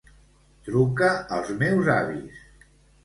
Truca als meus avis.